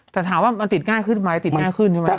แต่ถามว่ามันติดง่ายขึ้นไหมติดง่ายขึ้นใช่ไหม